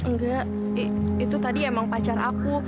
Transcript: tidak itu tadi memang pacar aku